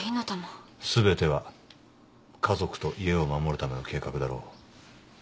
すべては家族と家を守るための計画だろう。